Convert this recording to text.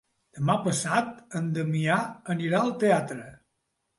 Demà passat en Damià anirà al teatre.